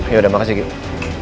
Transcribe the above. ya udah makasih kiki